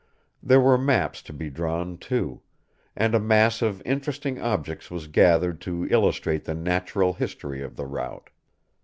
There were maps to be drawn, too; and a mass of interesting objects was gathered to illustrate the natural history of the route.